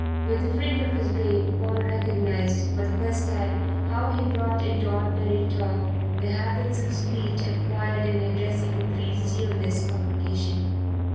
With the fringe of his brain Paul recognized, for the first time, how he brought into ordinary talk the habits of speech acquired in addressing a Free Zionist congregation.